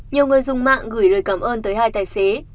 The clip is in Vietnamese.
nhiều người dùng mạng gửi lời cảm ơn tới hai tài xế